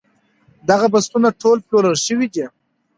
دغه بستونه ټول پلورل شوي دي.